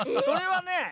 それはね